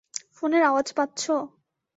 ফোনের আওয়াজ পাচ্ছো?